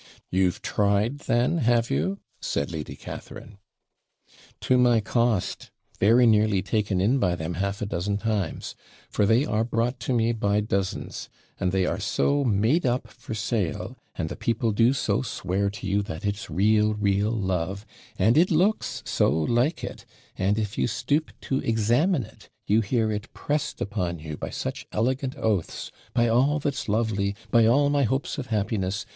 'You've tried then, have you?' said Lady Catharine. 'To my cost. Very nearly taken in by them half a dozen times; for they are brought to me by dozens; and they are so made up for sale, and the people do so swear to you that it's real, real love, and it looks so like it; and, if you stoop to examine it, you hear it pressed upon you by such elegant oaths By all that's lovely! By all my hopes of happiness!